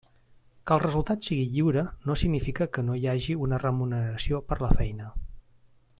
Que el resultat sigui lliure no significa que no hi hagi una remuneració per la feina.